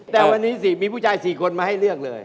แต่วันนี้สิมีผู้ชาย๔คนมาให้เลือกเลย